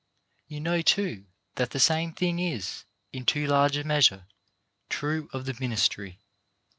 You know, too, that the same thing is, in too large a measure, true of the ministry.